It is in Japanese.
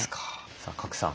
さあ賀来さん